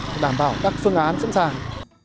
để đảm bảo các phương án sẵn sàng